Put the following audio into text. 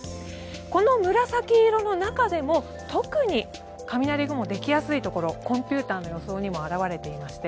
この紫色の中でも特に雷雲ができやすいところコンピューターの予想にも表れていまして